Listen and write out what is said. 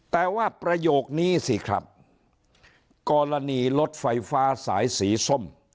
แต่ว่าประโยคนี้สิครับกรณีรถไฟฟ้าสายสีส้ม